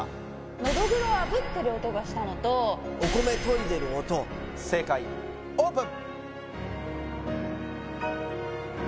ノドグロを炙ってる音がしたのとお米といでる音正解オープン！